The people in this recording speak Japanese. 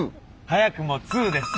２。早くも２です。